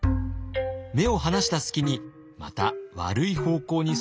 目を離した隙にまた悪い方向に育っては大変。